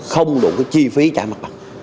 không đủ cái chi phí trả mặt bằng